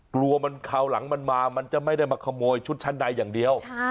กลัวมันคราวหลังมันมามันจะไม่ได้มาขโมยชุดชั้นในอย่างเดียว